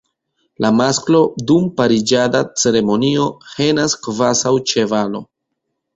La masklo dum pariĝada ceremonio henas kvazaŭ ĉevalo.